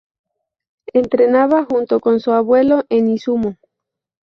Entrenaba junto con su abuelo en Izumo.